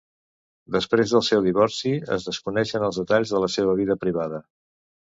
Després del seu divorci, es desconeixen els detalls de la seva vida privada.